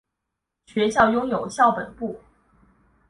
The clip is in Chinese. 学院拥有校本部。